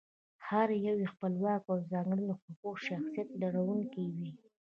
هر یو یې خپلواک او د ځانګړي حقوقي شخصیت لرونکی وي.